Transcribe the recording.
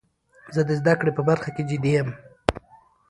زه د زده کړي په برخه کښي جدي یم.